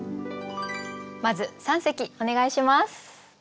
まず三席お願いします。